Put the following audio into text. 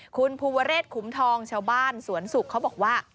คุณภูวเรศขุมทองชาวบ้านสวนสุกเขาบอกว่า